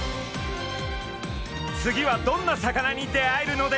次はどんな魚に出会えるのでしょうか？